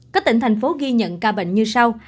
các tỉnh thành phố ghi nhận ca bệnh như sau